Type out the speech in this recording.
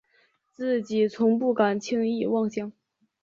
自己从不敢轻易妄想